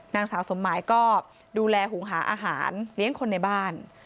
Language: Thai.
นางสาวสมหมายก็ดูแลหุงหาอาหารเลี้ยงคนในบ้าน